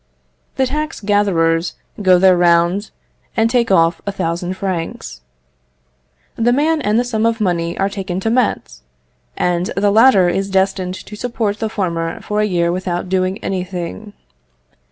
The tax gatherers go their round, and take off a thousand francs. The man and the sum of money are taken to Metz, and the latter is destined to support the former for a year without doing anything.